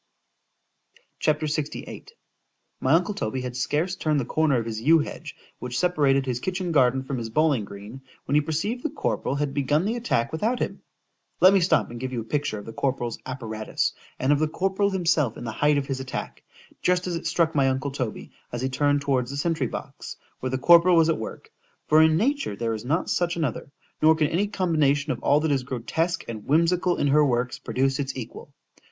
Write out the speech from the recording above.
C H A P. LXVIII MY uncle Toby had scarce turned the corner of his yew hedge, which separated his kitchen garden from his bowling green, when he perceived the corporal had begun the attack without him.—— Let me stop and give you a picture of the corporal's apparatus; and of the corporal himself in the height of his attack, just as it struck my uncle Toby, as he turned towards the sentry box, where the corporal was at work,——for in nature there is not such another,——nor can any combination of all that is grotesque and whimsical in her works produce its equal.